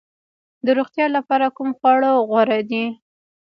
د روغتیا لپاره کوم خواړه غوره دي؟